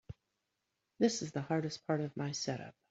This is the hardest part of my setup.